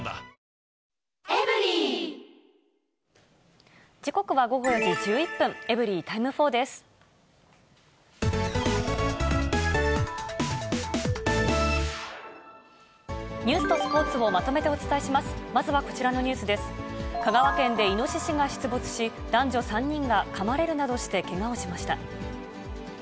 香川県でイノシシが出没し、男女３人がかまれるなどしてけがをしました。